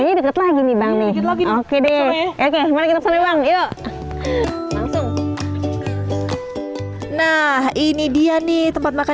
ini deket lagi nih bang nih oke deh oke mari kita pesannya bang yuk langsung nah ini dia nih tempat makan